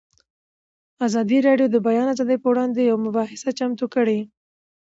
ازادي راډیو د د بیان آزادي پر وړاندې یوه مباحثه چمتو کړې.